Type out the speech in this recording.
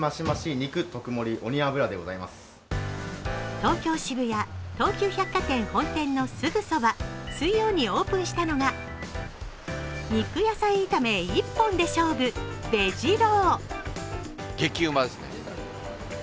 東京・渋谷東急百貨店本店のすぐそば、水曜にオープンしたのは肉野菜炒め一本で勝負、ベジ郎。